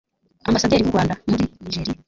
Ambasaderi w’u Rwanda muri Nigeriya